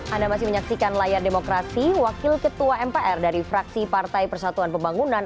anda masih menyaksikan layar demokrasi wakil ketua mpr dari fraksi partai persatuan pembangunan